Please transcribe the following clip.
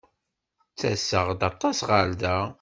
Ttaseɣ-d aṭas ɣer da.